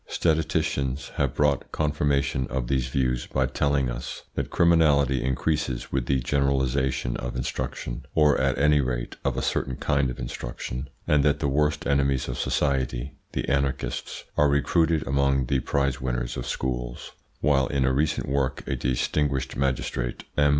Statisticians have brought confirmation of these views by telling us that criminality increases with the generalisation of instruction, or at any rate of a certain kind of instruction, and that the worst enemies of society, the anarchists, are recruited among the prize winners of schools; while in a recent work a distinguished magistrate, M.